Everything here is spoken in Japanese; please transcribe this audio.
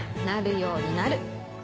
なるようになる！